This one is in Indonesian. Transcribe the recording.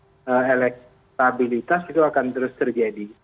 karena elektabilitas itu akan terus terjadi